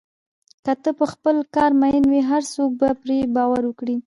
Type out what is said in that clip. که ته په خپل کار مین وې، هر څوک به پرې باور وکړي.